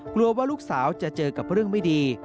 กลัวว่าลูกสาวจะเจอกับเรื่องไม่ดี